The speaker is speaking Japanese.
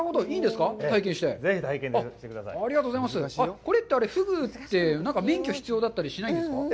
これって、フグって、免許必要だったりしないんですか？